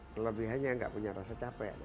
kelebihannya nggak punya rasa capek